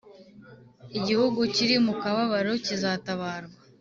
Igihugu kiri mu kababaro kizatabarwa